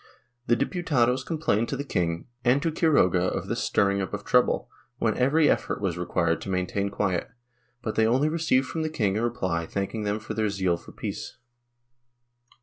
The Diputados complained to the king and to Quiroga of this stirring up of trouble, when every effort was required to maintain quiet, but they only received from the king a reply thanking them for their zeal for peace.